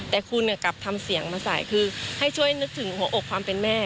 แต่คุณกลับทำเสียงมาใส่คือให้ช่วยนึกถึงหัวอกความเป็นแม่